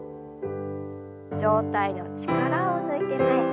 上体の力を抜いて前。